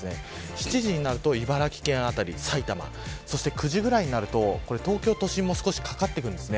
７時になると茨城県辺り、埼玉９時ぐらいになると東京都心も少しかかってきます。